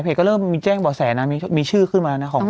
ก็เริ่มมีแจ้งบ่อแสนะมีชื่อขึ้นมาแล้วนะของ